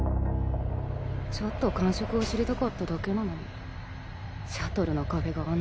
ちょっと感触を知りたかっただけなのに。